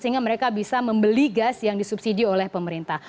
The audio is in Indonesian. sehingga mereka bisa membeli gas yang disubsidi oleh pemerintah